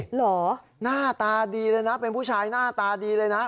เหรอหน้าตาดีเลยนะเป็นผู้ชายหน้าตาดีเลยนะ